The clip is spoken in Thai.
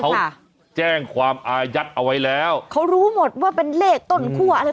เขาแจ้งความอายัดเอาไว้แล้วเขารู้หมดว่าเป็นเลขต้นคั่วอะไร